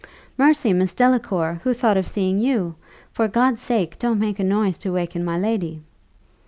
"Mercy, Miss Delacour! who thought of seeing you? For God's sake, don't make a noise to waken my lady!"